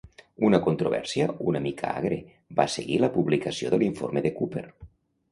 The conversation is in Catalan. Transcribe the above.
Una controvèrsia una mica agre va seguir la publicació de l'informe de Cooper.